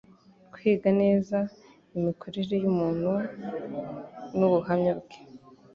kwiga neza imikorere y'umuntu n'ubuhamya bwe